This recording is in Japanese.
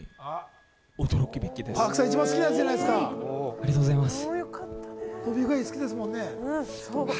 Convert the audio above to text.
ありがとうございます。